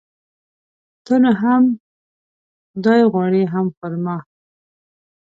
ته نو هم خداى غواړي ،هم خر ما.